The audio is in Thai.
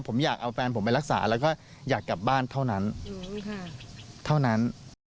ผมอยากเอาแฟนผมไปรักษาแล้วก็อยากกลับบ้านเท่านั้นเท่านั้น